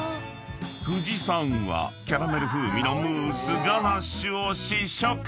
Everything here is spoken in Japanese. ［藤さんはキャラメル風味のムースガナッシュを試食］